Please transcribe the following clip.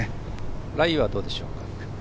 ライはどうでしょうか。